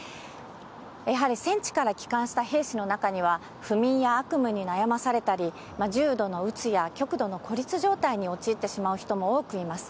やはり戦地から帰還した兵士の中には、不眠や悪夢に悩まされたり、重度のうつや極度の孤立状態に陥ってしまう人も多くいます。